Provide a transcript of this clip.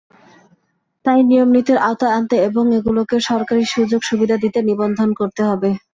তাই নিয়মনীতির আওতায় আনতে এবং এগুলোকে সরকারি সুযোগ-সুবিধা দিতে নিবন্ধন করতে হবে।